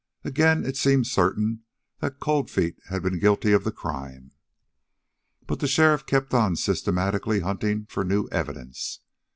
Again it seemed certain that Cold Feet had been guilty of the crime, but the sheriff kept on systematically hunting for new evidence.